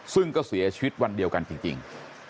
ซึ่งก็เสียชีวิตวันเดียวกันจริง